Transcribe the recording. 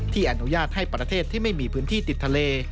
อนุญาตให้ประเทศที่ไม่มีพื้นที่ติดทะเล